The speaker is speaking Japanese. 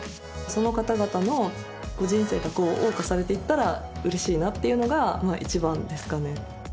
その方々の人生がこうおう歌されていったら嬉しいなっていうのがまあ一番ですかね